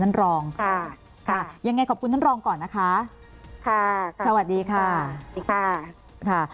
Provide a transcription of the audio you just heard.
ท่านรองค่ะค่ะยังไงขอบคุณท่านรองก่อนนะคะค่ะสวัสดีค่ะสวัสดีค่ะค่ะ